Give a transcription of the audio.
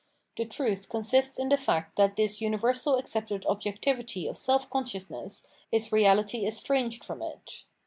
The truth consists in the fact that this universal accepted objectivity of self consciousness is reahty estranged from it.